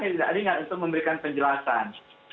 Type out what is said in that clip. yang tidak ringan untuk memberikan penjelasan